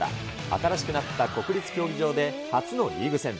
新しくなった国立競技場で初のリーグ戦。